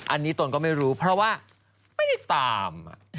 อันนี้ตนก็ไม่รู้เพราะว่าไม่ได้ตาม